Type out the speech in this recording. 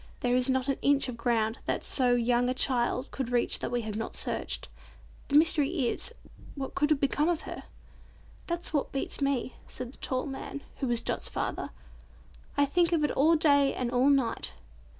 "There is not an inch of ground that so young a child could reach that we have not searched. The mystery is, what could have become of her?" "That's what beats me," said the tall man, who was Dot's father. "I think of it all day and all night.